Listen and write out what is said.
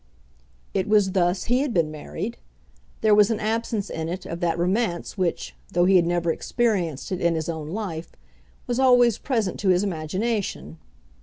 It was thus he had been married. There was an absence in it of that romance which, though he had never experienced it in his own life, was always present to his imagination.